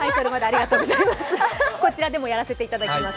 こちらでもやらせていだきます。